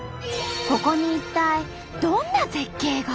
ここに一体どんな絶景が？